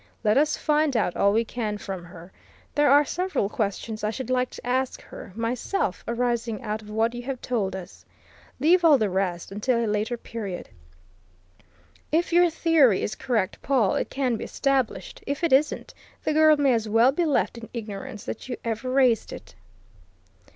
Let us find out all we can from her; there are several questions I should like to ask her, myself, arising out of what you have told us. Leave all the rest until a later period. If your theory is correct, Pawle, it can be established, if it isn't, the girl may as well be left in ignorance that you ever raised it."